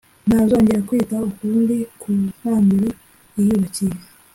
Ntazongera kwita ukundi ku ntambiro yiyubakiye,